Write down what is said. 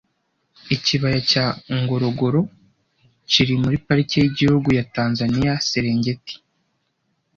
Ikibaya cya Ngorogoro kiri muri parike y'igihugu ya Tanzaniya Serengeti